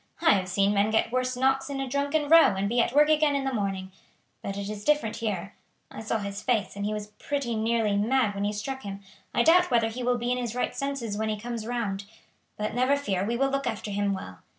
I have seen men get worse knocks in a drunken row and be at work again in the morning; but it is different here. I saw his face, and he was pretty nearly mad when you struck him. I doubt whether he will be in his right senses when he comes round; but never fear, we will look after him well.